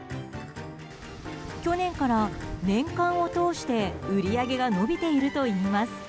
去年から年間を通して売り上げが伸びているといいます。